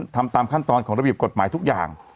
ทำตามขั้นตอนของระเบียบกฎหมายทุกอย่าง